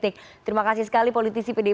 internal kami maupun tadi malam